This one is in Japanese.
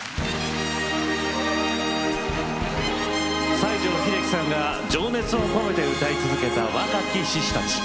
西城秀樹さんが情熱を込めて歌い続けた「若き獅子たち」。